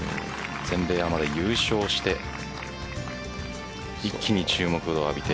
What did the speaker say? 全米アマで優勝して一気に注目を浴びて。